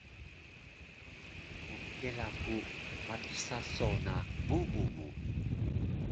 Mkela ku matis saso na bubu mu